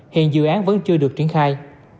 hiện dự án vẫn chưa được triển khai